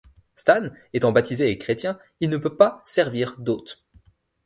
Stan étant baptisé et chrétien, il ne peut pas servir d'hôte.